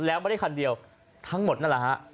แล้วไม่ได้คันเดียวทั้งหมดนั่นแหละฮะ